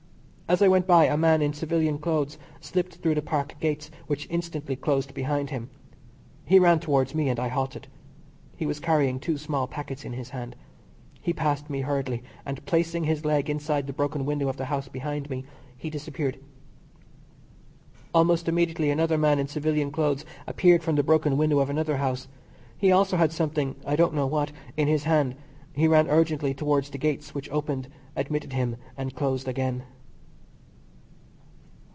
As I went by a man in civilian clothes slipped through the Park gates, which instantly closed behind him. He ran towards me, and I halted. He was carrying two small packets in his hand. He passed me hurriedly, and, placing his leg inside the broken window of the house behind me, he disappeared. Almost immediately another man in civilian clothes appeared from the broken window of another house. He also had something (I don't know what) in his hand. He ran urgently towards the gates, which opened, admitted him, and closed again.